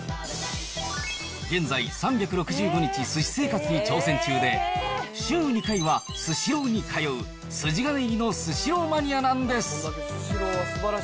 現在、３６５日すし生活に挑戦中で、週２回はスシローに通う、筋金入りのスシローマニアなんです。